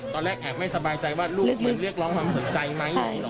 แรกแอบไม่สบายใจว่าลูกเหมือนเรียกร้องความสนใจไหม